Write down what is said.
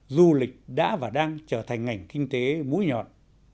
du lịch đã và đang trở thành ngành kinh tế mũi nhọn